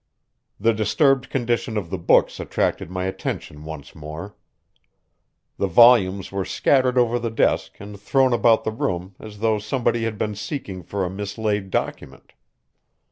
The disturbed condition of the books attracted my attention once more. The volumes were scattered over the desk and thrown about the room as though somebody had been seeking for a mislaid document.